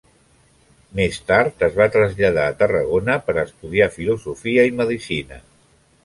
Més tard, es va traslladar a Tarragona per a estudiar filosofia i medicina.